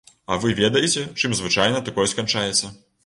А вы ведаеце, чым звычайна такое сканчаецца.